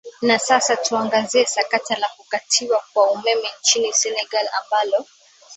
na sasa tuangazie sakata la kukatika kwa umeme nchini senegal ambalo